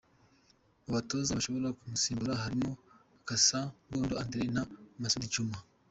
Mu batoza bashobora kumusimbura harimo Cassa Mbungo André na Masoudi Djuma.